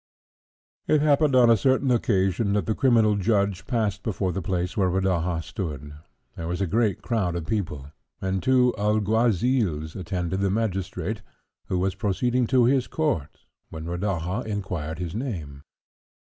It happened on a certain occasion that the Criminal Judge passed before the place where Rodaja stood. There was a great crowd of people, and two alguazils attended the magistrate, who was proceeding to his court, when Rodaja inquired his name.